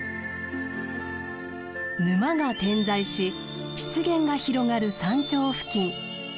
沼が点在し湿原が広がる山頂付近。